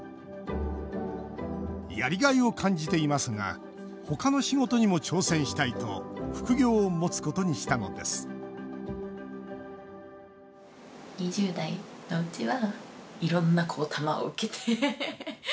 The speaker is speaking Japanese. やりがいを感じていますが他の仕事にも挑戦したいと副業をもつことにしたのですこんにちは。